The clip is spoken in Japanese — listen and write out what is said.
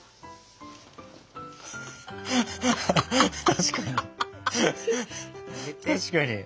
確かに。